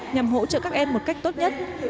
nhằm hỗ trợ các em một cách tốt nhất